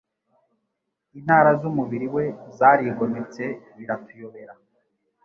Intara z'umubiri we zarigometse biratuyobera